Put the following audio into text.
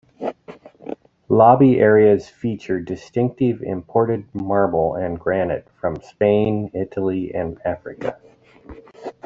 Lobby areas feature distinctive imported marble and granite from Spain, Italy and Africa.